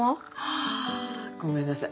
あごめんなさい。